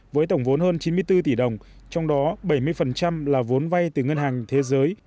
với tổng vốn hơn chín mươi bốn tỷ đồng trong đó bảy mươi là vốn vay từ ngân hàng thế giới